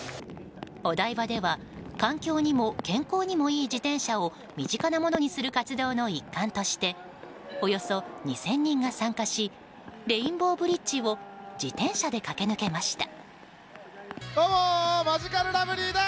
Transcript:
お台場では環境にも健康にもいい自転車を身近なものにする一環としておよそ２０００人が参加しレインボーブリッジを自転車で駆け抜けました。